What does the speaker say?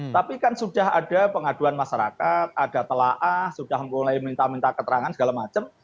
tapi kan sudah ada pengaduan masyarakat ada telah mulai minta minta keterangan segala macam